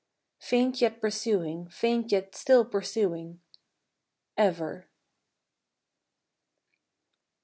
Faint yet pursuing, faint yet still pursuing Ever.